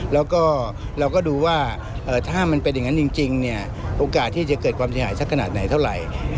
แล้วก็เราก็ดูว่าถ้ามันเป็นอย่างนั้นจริงเนี่ยโอกาสที่จะเกิดความเสียหายสักขนาดไหนเท่าไหร่